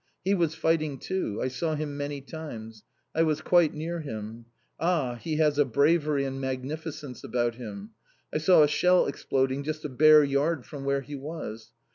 He was fighting too, I saw him many times, I was quite near him. Ah, he has a bravery and magnificence about him! I saw a shell exploding just a bare yard from where he was.